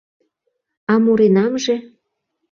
А муренамже...